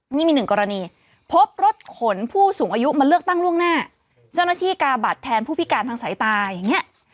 นี่มีหนึ่งกรณีพบรถขนผู้สูงอายุมาเลือกตั้งล่วงหน้าเจ้าหน้าที่กาบัตรแทนผู้พิการทางสายตาอย่างนี้